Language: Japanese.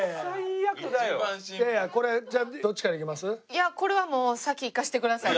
いやこれはもう先いかせてください。